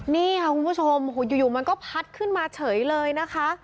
นี่ค่ะคุณผู้ชมอยู่มันก็พัดขึ้นมาเฉยเลยนะคะ